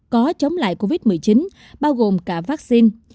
có chống lại covid một mươi chín bao gồm cả vaccine